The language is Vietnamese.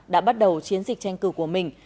đã bắt đầu chiến dịch tranh cử của mình